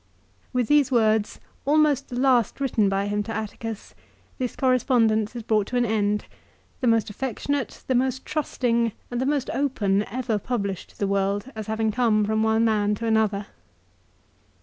With these words, almost the last written by him to Atticus, this cor respondence is brought to an end, the most affectionate, the most trusting, and the most open ever published to the world as having come from one man to another.